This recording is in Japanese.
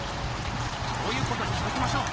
そういうことにしときましょう！